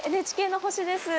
ＮＨＫの星です。